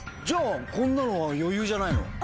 じゃあこんなのは余裕じゃないの？